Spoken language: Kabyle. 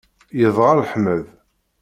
Yedɣel Ḥmed.